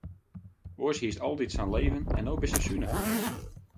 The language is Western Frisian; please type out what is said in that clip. Oars hiest altyd sa'n leven en no bist sa sunich.